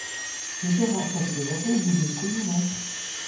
Нічога асаблівага ў будынку няма.